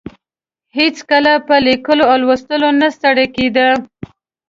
هېڅکله په لیکلو او لوستلو نه ستړې کیده.